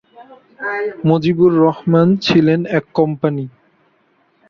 মজিবুর রহমান ছিলেন এক কোম্পানি।